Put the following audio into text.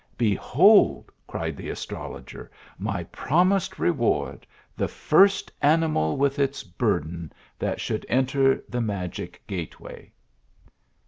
" Behold," cried the astrologer, " my promised re ward ! the first animal with its burden, that should enter the magic gateway."